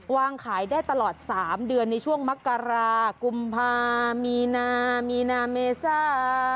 วางขายได้ตลอด๓เดือนในช่วงมกรากุมภามีนามีนาเมซ่า